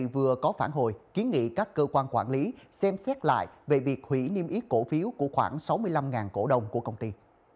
vừa có phản hồi kiến nghị các cơ quan quản lý xem xét lại về việc hủy niêm yết cổ phiếu của khoảng sáu mươi năm cổ đồng của công ty